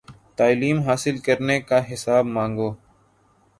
تعلیم حاصل کرنے کا حساب مانگو